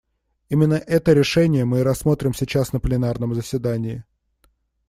Именно это решение мы и рассмотрим сейчас на пленарном заседании.